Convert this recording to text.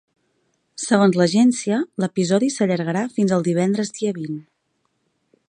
Segons l’agència, l’episodi s’allargarà fins el divendres dia vint.